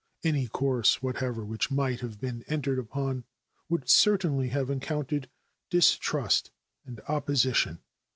Any course whatever which might have been entered upon would certainly have encountered distrust and opposition.